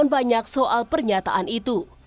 banyak soal pernyataan itu